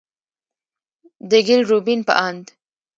د ګيل روبين په اند،